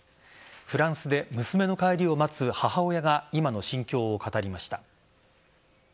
フランスで娘の帰りを待つ母親が今の心境を語りました。